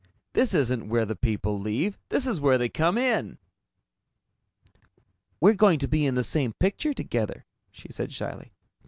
"This isn't where the people leave. This is where they come in!" "We're going to be in the same picture together," she said shyly.